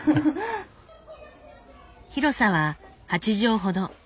広さは８畳ほど。